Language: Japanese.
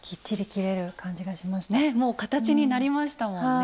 もう形になりましたもんね。